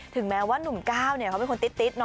ถึงแม้ว่านุ่มก้าวเขาเป็นคนติ๊ด